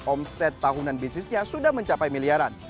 omset tahunan bisnisnya sudah mencapai miliaran